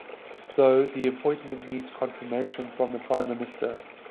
Though, the appointment needs confirmation from the Prime minister.